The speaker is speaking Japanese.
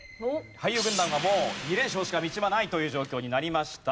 俳優軍団はもう２連勝しか道はないという状況になりました。